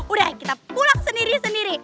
udah kita pulang sendiri sendiri